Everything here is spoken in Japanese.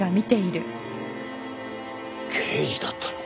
刑事だったのか。